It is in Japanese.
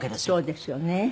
そうですよね。